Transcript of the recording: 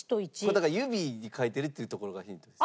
だから指に書いてるっていうところがヒントです。